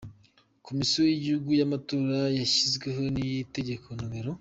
Komisiyo y’Igihugu y’Amatora yashyizweho n’itegeko No.